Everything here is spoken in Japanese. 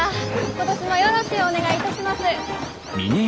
今年もよろしゅうお願いいたします。